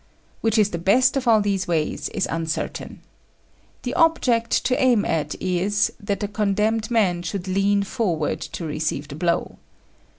Which is the best of all these ways is uncertain. The object to aim at is, that the condemned man should lean forward to receive the blow.